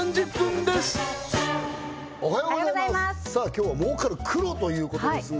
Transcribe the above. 今日は儲かる黒ということですね